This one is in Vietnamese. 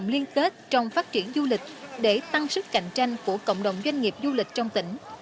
liên kết trong phát triển du lịch để tăng sức cạnh tranh của cộng đồng doanh nghiệp du lịch trong tỉnh